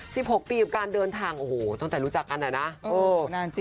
๑๖ปีกับการเดินทางโอ้โหตั้งแต่รู้จักกันแหละนะ